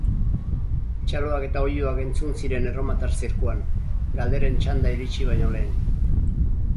Txaloak eta oihuak entzun ziren erromatar zirkuan, galderen txanda iritsi baino lehen.